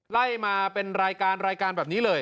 ไล่มาเป็นรายการรายการแบบนี้เลย